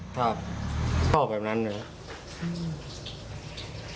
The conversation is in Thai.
ครับเข้าแบบนั้นเลย